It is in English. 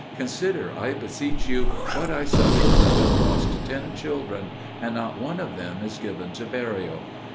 Consider, I beseech you, what I suffer that have lost ten children, and not one of them is given to burial."